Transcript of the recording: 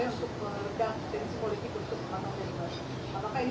tiga satu konteksnya untuk bisa meregang